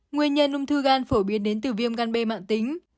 nguyên nhân ung thư gan phổ biến đến từ viêm gan b mạng tính